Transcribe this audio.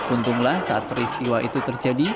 untunglah saat peristiwa itu terjadi